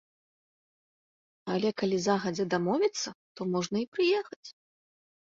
Але калі загадзя дамовіцца, то можна і прыехаць.